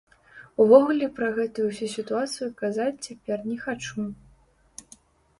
Увогуле пра гэтую ўсю сітуацыю казаць цяпер не хачу.